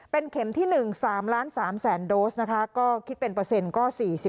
เป็นเข็มที่๑๓๓๐๐๐โดสนะคะก็คิดเป็นเปอร์เซ็นต์ก็๔๐